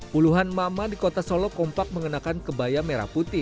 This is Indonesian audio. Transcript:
puluhan mama di kota solo kompak mengenakan kebaya merah putih